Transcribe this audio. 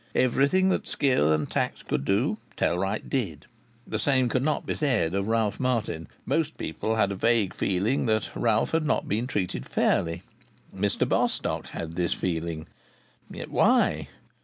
Everything that skill and tact could do Tellwright did. The same could not be said of Ralph Martin. Most people had a vague feeling that Ralph had not been treated fairly. Mr Bostock had this feeling. Yet why?